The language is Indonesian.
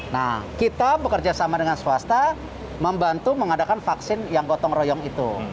nah kita bekerja sama dengan swasta membantu mengadakan vaksin yang gotong royong itu